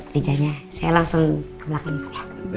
rizanya saya langsung ke belakang dulu ya